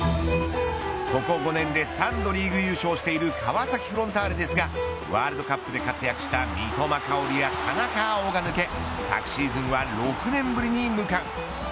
ここ５年で３度リーグ優勝している川崎フロンターレですがワールドカップで活躍した三笘薫や田中碧が抜け昨シーズンは６年ぶりに無冠。